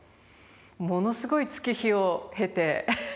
ものすごい月日を経て。